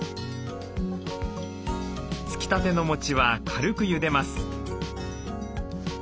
つきたてのもちは軽くゆでます。